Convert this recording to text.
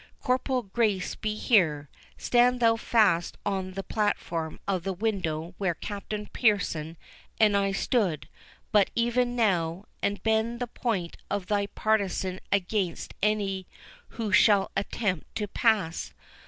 —Corporal Grace be here, stand thou fast on the platform of the window where Captain Pearson and I stood but even now, and bend the point of thy partisan against any who shall attempt to pass.